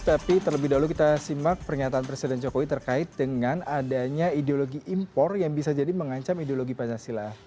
tapi terlebih dahulu kita simak pernyataan presiden jokowi terkait dengan adanya ideologi impor yang bisa jadi mengancam ideologi pancasila